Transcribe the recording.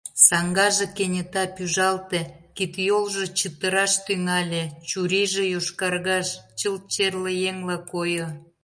Саҥгаже кенета пӱжалте, кид-йолжо чытыраш тӱҥале, чурийже йошкаргаш — чылт черле еҥла койо.